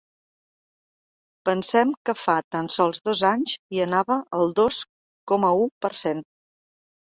Pensem que fa tan sols dos anys hi anava el dos coma u per cent.